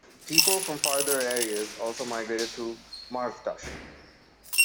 People from farther areas also migrated to Marvdasht.